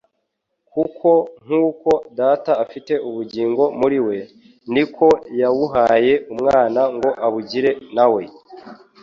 kuko nk’uko Data afite ubugingo muri we, niko yabuhaye Umwana ngo abugire na we.